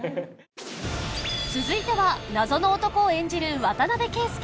続いては謎の男を演じる渡邊圭祐